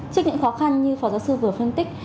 trước những khó khăn như phó giáo sư vừa phân tích